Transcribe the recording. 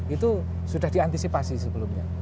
itu sudah diantisipasi sebelumnya